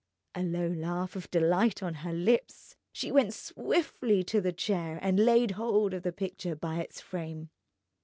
A low laugh of delight on her lips, she went swiftly to the chair and laid hold of the picture by its frame.